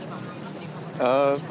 jadi untuk sekolah kan bisa